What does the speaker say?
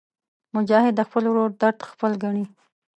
مجاهد د خپل ورور درد خپل ګڼي.